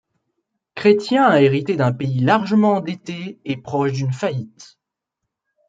Chrétien a hérité d'un pays largement endetté et proche d'une faillite.